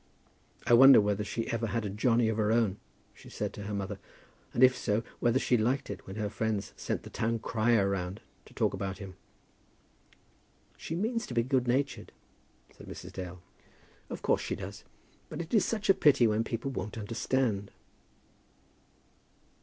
"I wonder whether she ever had a Johnny of her own," she said to her mother, "and, if so, whether she liked it when her friends sent the town crier round to talk about him." "She means to be good natured," said Mrs. Dale. "Of course she does. But it is such a pity when people won't understand."